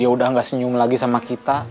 ya udah gak senyum lagi sama kita